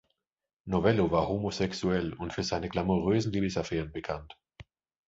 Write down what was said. Novello war homosexuell und für seine glamourösen Liebesaffären bekannt.